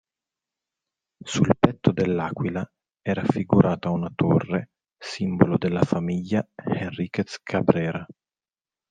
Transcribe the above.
Sul petto dell'aquila è raffigurata una torre, simbolo della famiglia Henriquez Cabrera.